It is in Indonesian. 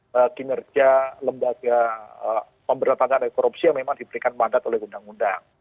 kekerjaan lembaga pemberantasan dari korupsi yang memang diberikan mandat oleh undang undang